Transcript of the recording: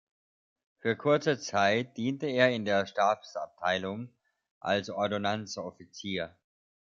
Für kurze Zeit diente er in der Stabsabteilung als Ordonnanzoffizier.